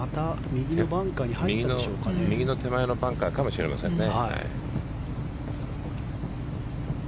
右の手前のバンカーかもしれませんね。